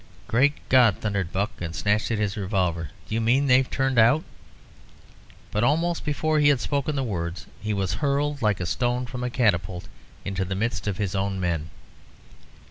"Great God!" thundered Buck, and snatched at his revolver; "do you mean they've turned out " But almost before he had spoken the words, he was hurled like a stone from catapult into the midst of his own men.